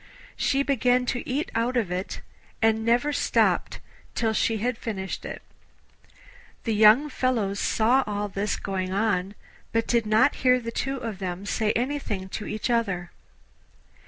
She began to eat out of it, and never stopped till she had finished it. The young fellows saw all this going on, but did not hear the two of them say anything to each other.